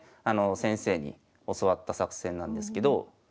先生に教わった作戦なんですけど。